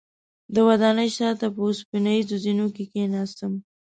د ودانۍ شاته په اوسپنیزو زینو کې کیناستم.